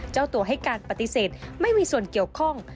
เจ้าตัวให้การปฏิเสธไม่มีส่วนเกี่ยวข้อง